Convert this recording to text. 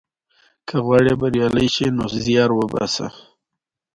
هوښیار انسان د خبرو پر ځای مثال ورکوي.